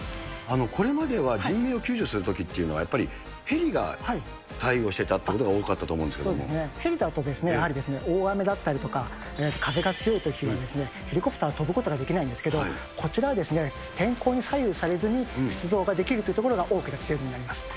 これまでは人命を救助するときというのは、やっぱりヘリが対応してたということが多かったとそうですね、ヘリだとやはり大雨だったりとか、風が強いときには、ヘリコプター飛ぶことができないんですけど、こちらは天候に左右されずに出動ができるというところが大きな強みになります。